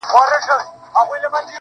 د غلا خبري پټي ساتي~